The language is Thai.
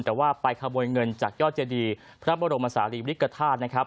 แต่ว่าไปขโมยเงินจากยอดเจดีพระบรมศาลีบริกฐาตุนะครับ